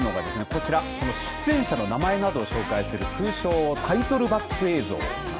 こちら出演者の名前などを紹介する通称タイトルバック映像。